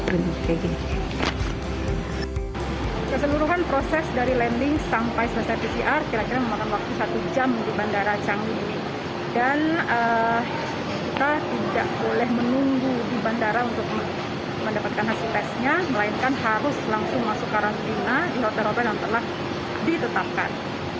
mendapatkan hasil tesnya melainkan harus langsung masuk karantina di hotel hotel yang telah ditetapkan